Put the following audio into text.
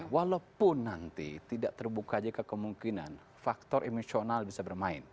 walaupun nanti tidak terbuka jika kemungkinan faktor emosional bisa bermain